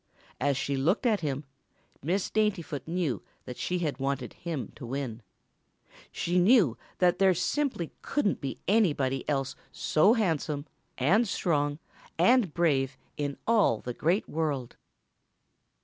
As she looked at him, Miss Daintyfoot knew that she had wanted him to win. She knew that there simply couldn't be anybody else so handsome and strong and brave in all the Great World.